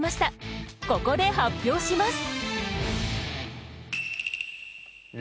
ここで発表します。